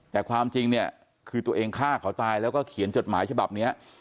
แต่ความจริงเนี่ยคือตัวเองฆ่าเขาตายแล้วก็เขียนจดหมายฉบับนี้